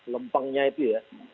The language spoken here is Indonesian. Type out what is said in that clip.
lempangnya itu ya